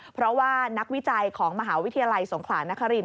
เพราะว่านักวิจัยของมวสกนครินต์